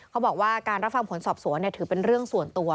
เขาบอกว่าการรับฟังผลสอบสวนถือเป็นเรื่องส่วนตัว